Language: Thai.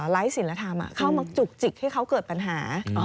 ไร้ศิลธรรมเข้ามาจุกจิกให้เขาเกิดปัญหา